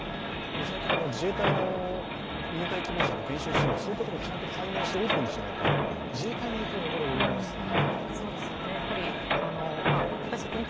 最近、自衛隊の入隊希望者も減少しているので、そういったところも解明してオープンにしないと自衛隊にも影響が及びますよね。